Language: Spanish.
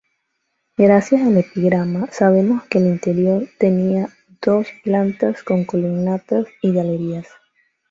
Gracias al epigrama sabemos que el interior tenía dos plantas con columnatas y galerías.